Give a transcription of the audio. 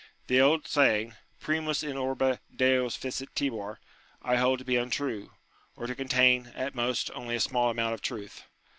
The old saying, Primus in orbe Deos fecit timor, I hold to be untrue, or to contain, at most, only a small amount of truth.